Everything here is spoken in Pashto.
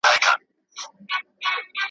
ما روان كړله پر لار د فساديانو ,